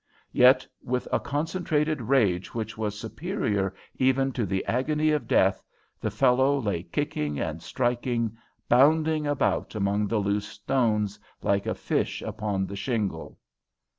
Yet with a concentrated rage, which was superior even to the agony of death, the fellow lay kicking and striking, bounding about among the loose stones like a fish upon the shingle.